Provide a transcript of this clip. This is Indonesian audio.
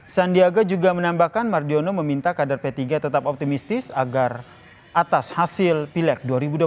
sandiaga juga menambahkan mardiono meminta kader p tiga tetap optimistis agar atas hasil pileg dua ribu dua puluh